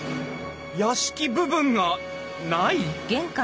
屋敷部分がない！？